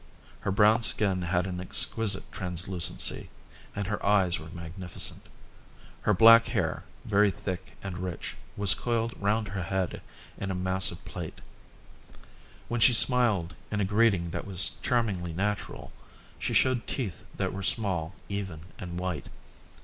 Her brown skin had an exquisite translucency and her eyes were magnificent. Her black hair, very thick and rich, was coiled round her head in a massive plait. When she smiled in a greeting that was charmingly natural, she showed teeth that were small, even, and white.